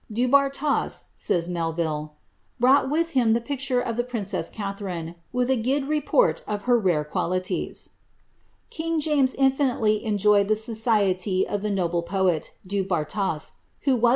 '■ Du iiarias," says Melville, " brought wilh'him the picture of the princess Catherine, with a guiil report of her rare qual> Kiiig James infinitely enjoyed the society of the noble poet, Du Bdr las, who was.